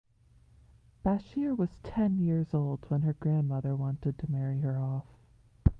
Bashir was ten years old when her grandmother wanted to marry her off.